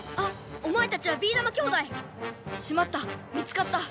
おまえたちはビーだま兄弟！しまった見つかった！